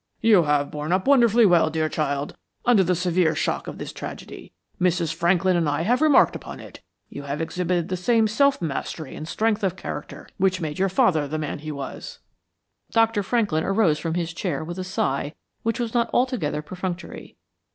"You have borne up wonderfully well, dear child, under the severe shock of this tragedy. Mrs. Franklin and I have remarked upon it. You have exhibited the same self mastery and strength of character which made your father the man he was." Dr. Franklin arose from his chair with a sigh which was not altogether perfunctory.